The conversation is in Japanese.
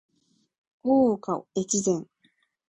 大岡越前